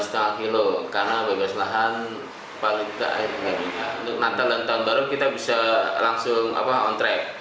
dan paling ke akhirnya untuk natal dan tahun baru kita bisa langsung on track